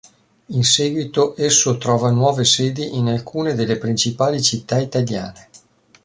In seguito esso trova nuove sedi in alcune delle principali città italiane.